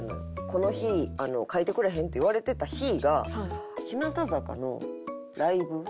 「この日書いてくれへん？」って言われてた日が日向坂のライブ。